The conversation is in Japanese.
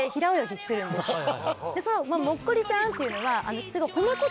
その「もっこりちゃん」っていうのは。